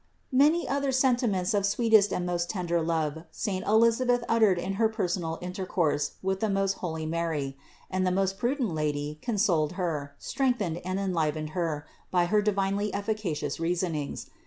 Many other sentiments of sweetest and most tender love saint Elisabeth uttered in her personal intercourse with the most holy Mary ; and the most pru dent Lady consoled her, strengthened and enlivened her by her divinely efficacious reasonings.